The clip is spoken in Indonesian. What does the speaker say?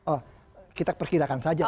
oh kita perkirakan saja